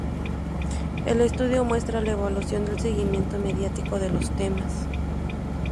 El estudio muestra la evolución del seguimiento mediático de los temas.